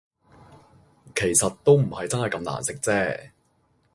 其實都唔係真係咁難食啫